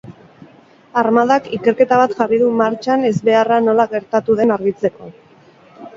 Armadak ikerketa bat jarri du martxan ezbeharra nola gertatu den argitzeko.